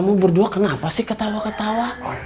masa sudah ini pertarungan utama kita